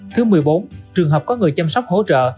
thứ một mươi bốn trường hợp có người chăm sóc hỗ trợ